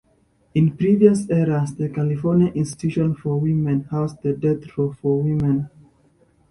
In previous eras the California Institution for Women housed the death row for women.